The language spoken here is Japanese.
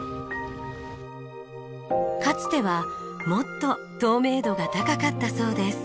かつてはもっと透明度が高かったそうです。